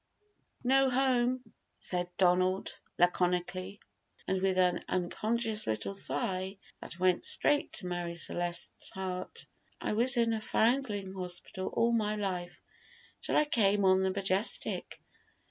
"No home," said Donald, laconically, and with an unconscious little sigh that went straight to Marie Celeste's heart; "I was in the Foundling Hospital all my life till I came on the Majestic.